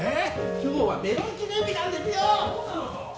今日はメロン記念日なんですよそうなのか！